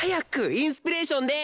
インスピレーションで！